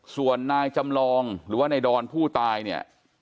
ส่วนนายจำลองหรือว่าในดอนผู้ตายเนี่ย